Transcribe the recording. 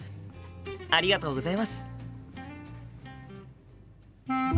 ありがとうございます。